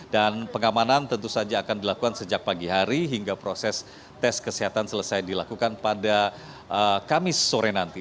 dan pengamanan tentu saja akan dilakukan sejak pagi hari hingga proses tes kesehatan selesai dilakukan pada kamis sore nanti